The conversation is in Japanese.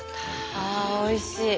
あおいしい！